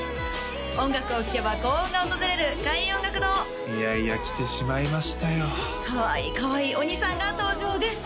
音楽を聴けば幸運が訪れる開運音楽堂いやいや来てしまいましたよかわいいかわいい鬼さんが登場です